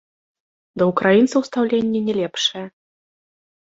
Да ўкраінцаў стаўленне не лепшае.